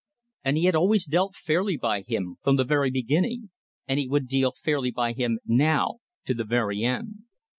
And he had always dealt fairly by him from the very beginning; and he would deal fairly by him now to the very end.